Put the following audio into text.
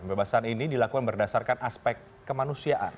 pembebasan ini dilakukan berdasarkan aspek kemanusiaan